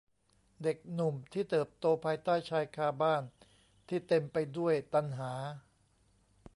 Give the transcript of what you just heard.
เด็กหนุ่มที่เติบโตภายใต้ชายคาบ้านที่เต็มไปด้วยตัณหา